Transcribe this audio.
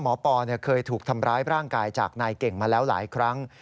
ปอเคยถูกทำร้ายร่างกายจากนายเก่งมาแล้วหลายครั้ง